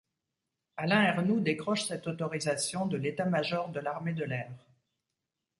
Alain Ernoult décroche cette autorisation de l’État-major de l’armée de l’air.